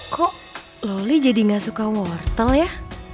kok loli jadi nggak suka wortel ya